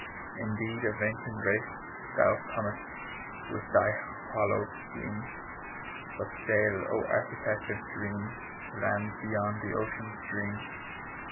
"Indeed of ancient race Thou comest, with thy hollow scheme. But sail, O architect of dream, To lands beyond the Ocean stream.